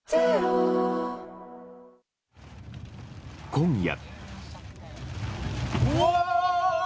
今夜。